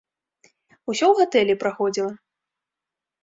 Усё ў гатэлі праходзіла.